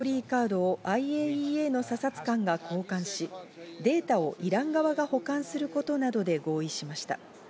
１２日の交渉ではメモリーカードをＩＡＥＡの査察官が交換し、データをイラン側が保管することなどで合意しました。